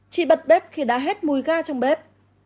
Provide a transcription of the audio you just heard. chỉ bật bếp khi đã hết mùi ga trong bếp